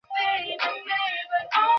এটা তোর বারোটা বাজাবে।